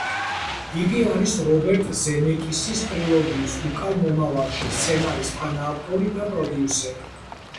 იგი არის რობერტ ზემეკისის ტრილოგიის „უკან მომავალში“ სცენარის თანაავტორი და პროდიუსერი.